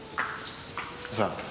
さあ。